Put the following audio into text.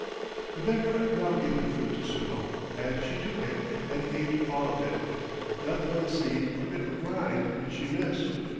The beggar now gave the fruit to Suo, and she took it and ate all of it. Not one seed or bit of rind did she miss.